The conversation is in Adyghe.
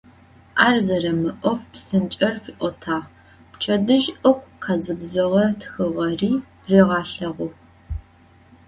Ар зэрэмыӏоф псынкӏэр фиӏотагъ, пчэдыжь ыгу къэзыбзэгъэ тхыгъэри ригъэлъэгъугъ.